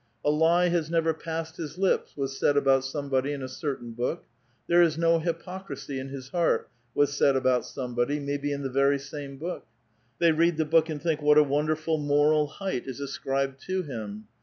"A lie has never passed his lips," was said about somebody in a certain book ;" There is no hypocrisy in his lieart" was said about somebody, maybe in the very same book. They read the book and think, ''AVhat a wonderful moral height is ascribed to him!"